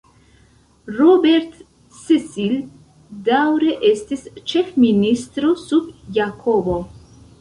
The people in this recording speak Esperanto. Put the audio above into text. Robert Cecil daŭre estis ĉef-ministro sub Jakobo.